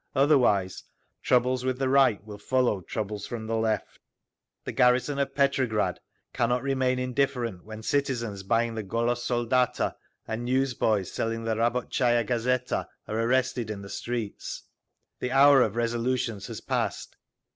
Otherwise, troubles with the Right will follow troubles from the Left…. "The garrison of Petrograd cannot remain indifferent when citizens buying the Golos Soldata and newsboys selling the Rabotchaya Gazeta are arrested in the streets…. "The hour of resolutions has passed….